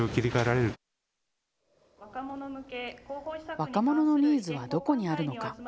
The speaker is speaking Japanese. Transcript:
若者のニーズはどこにあるのか。